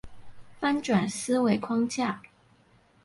翻轉思維框架